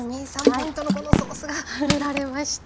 ポイントのこのソースが塗られました。